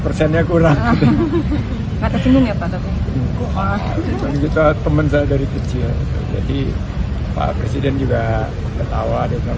presidennya kurang kita temen saya dari kecil jadi pak presiden juga ketawa dengan